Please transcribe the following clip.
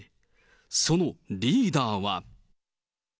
そのリーダーは。